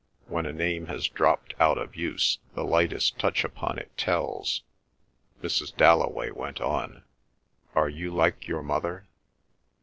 When a name has dropped out of use, the lightest touch upon it tells. Mrs. Dalloway went on: "Are you like your mother?"